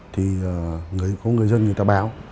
thì có người dân người ta báo